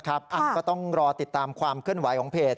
ก็ต้องรอติดตามความเคลื่อนไหวของเพจ